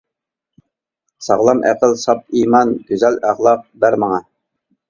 ساغلام ئەقىل، ساپ ئىمان، گۈزەل ئەخلاق بەر ماڭا.